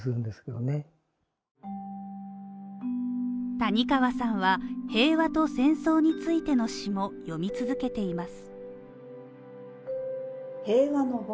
谷川さんは平和と戦争についての詩を詠み続けています。